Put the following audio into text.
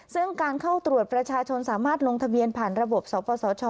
ซึ่งการเข้าตรวจประชาชนสามารถลงทะเบียนผ่านระบบสปสช